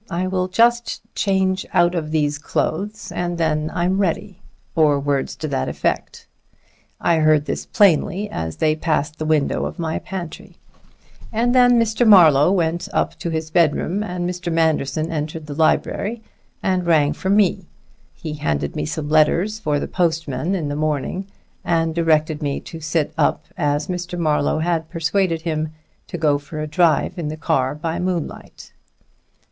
I will just change out of these clothes and then I'm ready' or words to that effect. I heard this plainly as they passed the window of my pantry. Then Mr. Marlowe went up to his bedroom and Mr. Manderson entered the library and rang for me. He handed me some letters for the postman in the morning and directed me to sit up, as Mr. Marlowe had persuaded him to go for a drive in the car by moonlight."